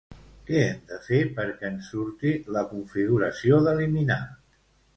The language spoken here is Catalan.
Què hem de fer perquè ens surti la configuració d'eliminar?